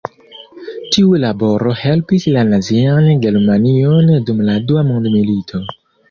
Tiu laboro helpis la nazian Germanion dum la dua mondmilito.